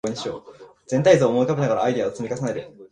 全体像を思い浮かべながらアイデアを積み重ねる